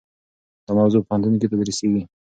دا موضوع په پوهنتون کې تدریسیږي.